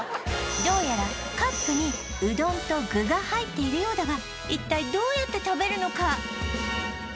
どうやらカップにうどんと具が入っているようだが一体どうやって食べるのか？